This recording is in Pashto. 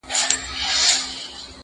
چي په تبر دي چپه په یوه آن کي-